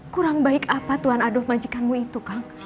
kurang baik apa tuan adolf majikanmu itu kak